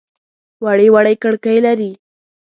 وړې وړې کړکۍ لري.